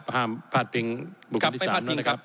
สรุปนะครับห้ามพาดปริงบุคลุมที่๓นะครับ